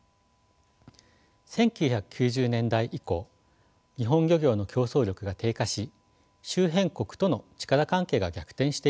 １９９０年代以降日本漁業の競争力が低下し周辺国との力関係が逆転しています。